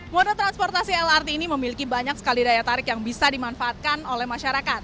moda transportasi lrt ini memiliki banyak sekali daya tarik yang bisa dimanfaatkan oleh masyarakat